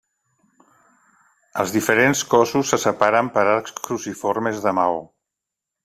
Els diferents cossos se separen per arcs cruciformes de maó.